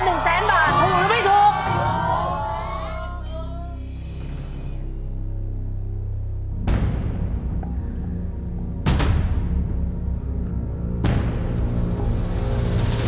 หนึ่งแสนบาทถูกหรือไม่ถูก